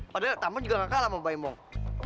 padahal tampan juga nggak kalah sama baimong